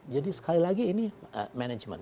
jadi sekali lagi ini management